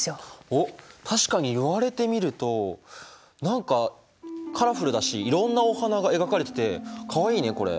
おっ確かに言われてみると何かカラフルだしいろんなお花が描かれててかわいいねこれ。